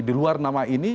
di luar nama ini